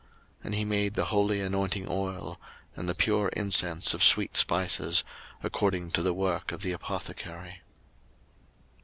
02:037:029 And he made the holy anointing oil, and the pure incense of sweet spices, according to the work of the apothecary.